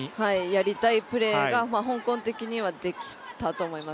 やりたいプレーが香港的にはできたと思います。